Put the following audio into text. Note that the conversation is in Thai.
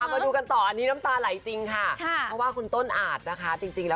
พร้อมมาดูกันต่ออันนี้น้ำตาไหลจริงค่ะ